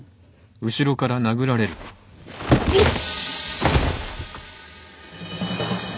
・うっ！